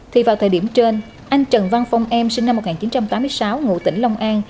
thì vào thời điểm trên anh trần văn phong em sinh năm một nghìn chín trăm tám mươi sáu ngụ tỉnh long an